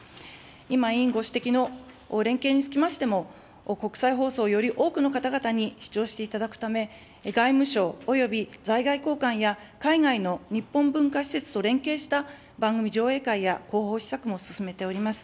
今、委員ご指摘の連携につきましても、国際放送をより多くの方々に視聴していただくため、外務省および在外公館や海外の日本文化施設と連携した番組上映会や広報施策も進めております。